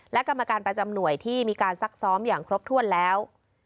และกรรมการประจำหน่วยที่มีการซักซ้อมอย่างครบถ้วนแล้ว